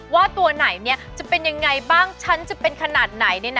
ว่าตัวไหนเนี่ยจะเป็นยังไงบ้างชั้นจะเป็นขนาดไหนเนี่ยนะ